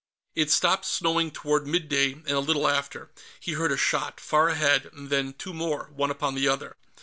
It stopped snowing toward mid day, and a little after, he heard a shot, far ahead, and then two more, one upon the other.